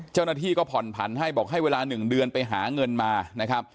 เจ้าหน้าที่ก็ผ่อนผันให้บอกให้เวลา๑เดือนไปหาเงินมานะครับ